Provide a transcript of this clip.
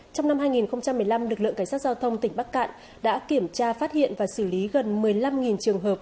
trong năm hai nghìn một mươi năm lực lượng cảnh sát giao thông tỉnh bắc cạn đã kiểm tra phát hiện và xử lý gần một mươi năm trường hợp